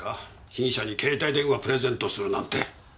被疑者に携帯電話プレゼントするなんて。